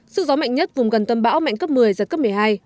sức gió mạnh nhất vùng gần tâm bão mạnh cấp một mươi giật cấp một mươi hai